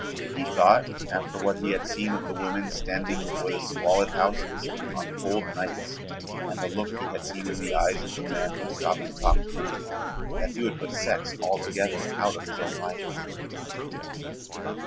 He thought, after what he had seen of the women standing before the squalid houses on cold nights and the look he had seen in the eyes of the men who stopped to talk to them, that he would put sex altogether out of his own life.